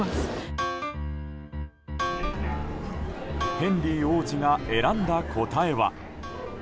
ヘンリー王子が選んだ答えは。